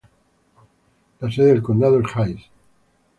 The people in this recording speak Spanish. La sede de condado es Hays.